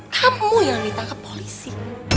kamu yang ditangkap polisi